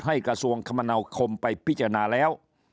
กระทรวงคมนาคมไปพิจารณาแล้ว